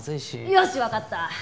よしわかった。